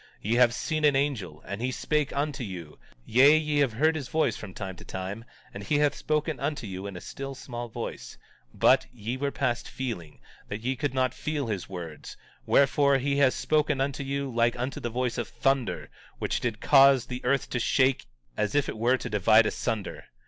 Ye have seen an angel, and he spake unto you; yea, ye have heard his voice from time to time; and he hath spoken unto you in a still small voice, but ye were past feeling, that ye could not feel his words; wherefore, he has spoken unto you like unto the voice of thunder, which did cause the earth to shake as if it were to divide asunder.